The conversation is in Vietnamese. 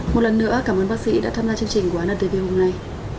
một lần nữa cảm ơn bác sĩ đã tham gia chương trình của antv hôm nay